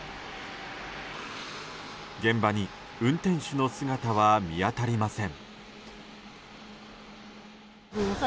現場に運転手の姿は見当たりません。